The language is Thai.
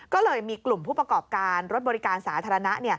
ก็เลยมีกลุ่มผู้ประกอบการรถบริการสาธารณะ